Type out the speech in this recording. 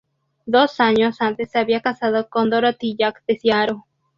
Dos años antes se había casado con Dorothy Jack, de Seattle.